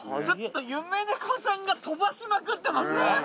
ちょっと夢猫さんが飛ばしまくってますね。